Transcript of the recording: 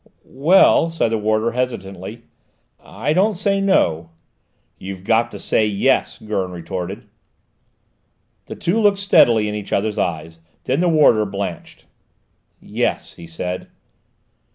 "Well," said the warder hesitatingly: "I don't say 'no.'" "You've got to say 'yes,'" Gurn retorted. The two looked steadily in each other's eyes; then the warder blenched. "Yes," he said.